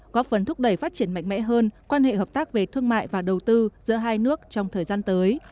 góp phần thúc đẩy phát triển mạnh mẽ hơn quan hệ hợp tác về thương mại và đầu tư giữa hai nước trong thời gian tới